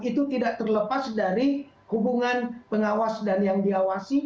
itu tidak terlepas dari hubungan pengawas dan yang diawasi